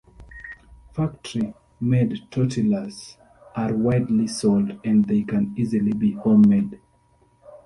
Factory-made tortillas are widely sold, and they can easily be home-made.